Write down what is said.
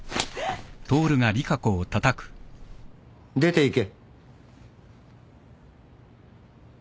出ていけ。